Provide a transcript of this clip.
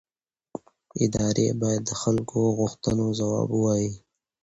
ادارې باید د خلکو غوښتنو ځواب ووایي